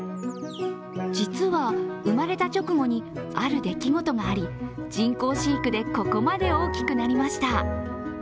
実は、生まれた直後にある出来事があり人工飼育でここまで大きくなりました。